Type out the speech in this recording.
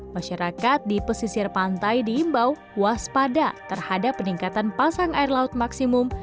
masyarakat di pesisir pantai diimbau waspada terhadap peningkatan pasang air laut maksimum